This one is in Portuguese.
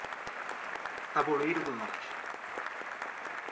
Tabuleiro do Norte